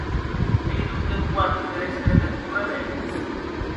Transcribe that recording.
Ei, donc, en quarto der extrèm deth correder?